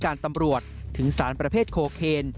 ตำรวจถึงสารประเภทโคเคน